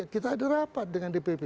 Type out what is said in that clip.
kita ada rapat dengan dpp